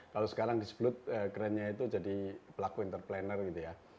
kalau sekarang disebut kerennya itu jadi pelaku entrepreneur gitu ya